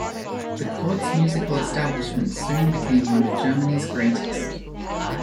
The court's musical establishment soon became one of Germany's greatest.